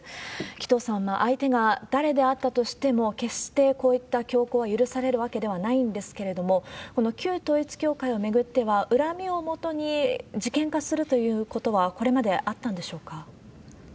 紀藤さん、相手が誰であったとしても、決してこういった凶行は許されるわけではないんですけれども、この旧統一教会を巡っては、恨みをもとに事件化するということは、これまであったんでしょうか？